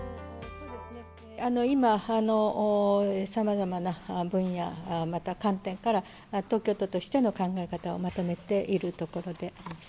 今、さまざまな分野、また観点から、東京都としての考え方をまとめているところであります。